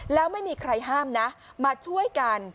แล้วไม่มีใครห้ามนะมาช่วยกัน